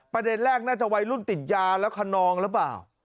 ประเด็นแรกน่าจะวัยรุ่นติดยาแล้วคนนองหรือเปล่า